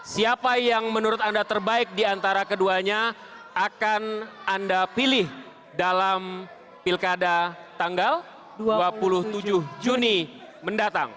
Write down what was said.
siapa yang menurut anda terbaik diantara keduanya akan anda pilih dalam pilkada tanggal dua puluh tujuh juni mendatang